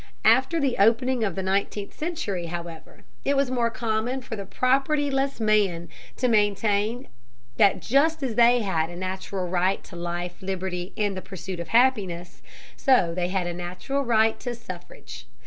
After the opening of the nineteenth century, however, it was more common for propertyless men to maintain that just as they had a natural right to life, liberty, and the pursuit of happiness, so they had a natural right to the suffrage.